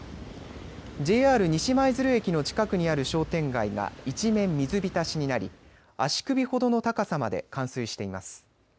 ＪＲ西舞鶴駅の近くにある商店街が一面、水浸しになり足首ほどの高さまで冠水しています。